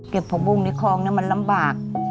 เก็บพลบุ้งในคลองนี้มันลำบาก